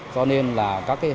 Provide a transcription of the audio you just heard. do nên là các hệ thống